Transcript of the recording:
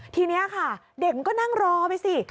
ทีนี้ค่ะเด็กมันก็นั่งรอไปสิ